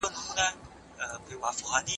ارمــان ته رسېدلى يــم